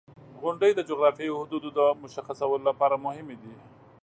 • غونډۍ د جغرافیوي حدودو د مشخصولو لپاره مهمې دي.